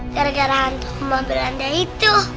gara gara hantu oma belanda itu